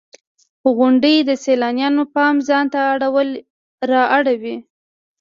• غونډۍ د سیلانیانو پام ځان ته را اړوي.